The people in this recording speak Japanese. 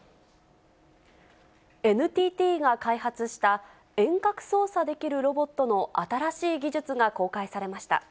ＮＴＴが開発した遠隔操作できるロボットの新しい技術が公開されました。